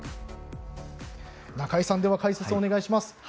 中井さん、解説をお願いします。